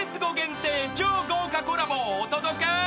超豪華コラボをお届け］